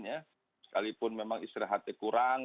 sekalipun memang istirahatnya kurang